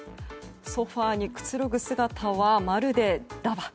ソファにくつろぐ姿はまるで駄馬。